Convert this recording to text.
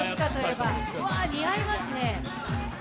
うわ、似合いますね。